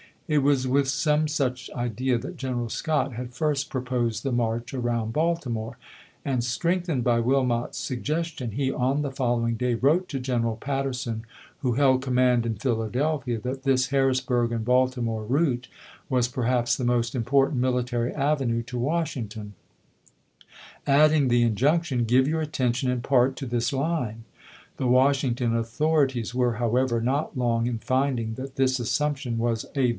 It if., p. 582.' was with some such idea that Greneral Scott had first proposed the march around Baltimore ; and, strengthened by Wilmot's suggestion, he on the following day wrote to General Patterson, who held command in Philadelphia, that this Harris burg and Baltimore route was perhaps the most important military avenue to Washington ; adding the injunction, " Give your attention in part to this ^oPatlc" line." The Washington authorities were, however, ^2?,' m^i!^ not long in finding that this assumption was a il,p.